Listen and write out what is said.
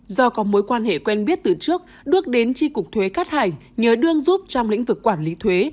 do có mối quan hệ quen biết từ trước đức đến tri cục thuế cát hải nhờ đương giúp trong lĩnh vực quản lý thuế